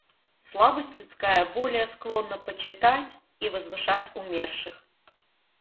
Слабость людская более склонна почитать и возвышать умерших.